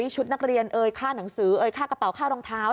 ชุดนักเรียนเอ่ยค่าหนังสือเอ่ยค่ากระเป๋าค่ารองเท้า